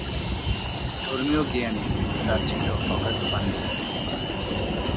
ধর্মীয় জ্ঞানে তার ছিল অগাধ পাণ্ডিত্য।